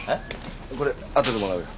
これあとでもらうよ。